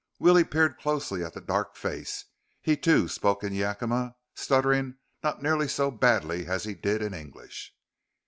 Willie peered closely at the dark face. He, too, spoke in Yakima, stuttering not nearly so badly as he did in English.